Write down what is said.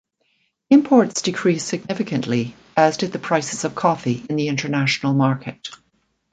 Imports decreased significantly, as did the prices of coffee in the international market.